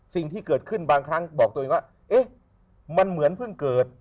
สิ่งที่เกิดขึ้นบางครั้งบอกตัวเองว่าเอ๊ะมันเหมือนเพิ่งเกิด